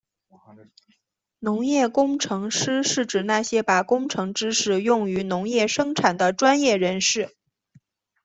农业工程师是指那些把工程知识用于农业生产的专业人士。